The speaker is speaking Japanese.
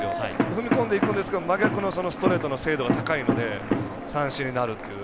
踏み込んでいくんですが真逆のストレートの精度が高いので三振になるという。